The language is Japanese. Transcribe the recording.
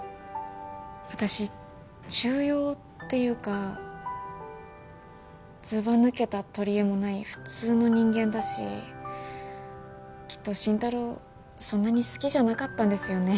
私中庸っていうかずばぬけたとりえもない普通の人間だしきっと真太郎そんなに好きじゃなかったんですよね